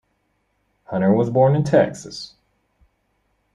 Hunter was born in Texas.